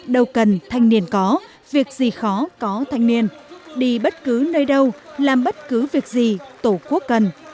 đâu cần thanh niên có việc gì khó có thanh niên đi bất cứ nơi đâu làm bất cứ việc gì tổ quốc cần